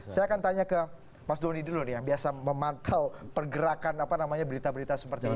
saya akan tanya ke mas doni dulu nih yang biasa memantau pergerakan apa namanya berita berita seperti ini